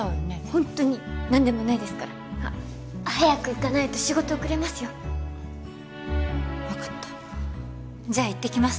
ホントになんでもないですから早く行かないと仕事遅れますよ分かったじゃあ行ってきます